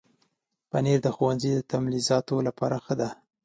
پنېر د ښوونځي د تلمیذانو لپاره ښه ده.